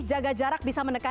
jaga jarak bisa menentukan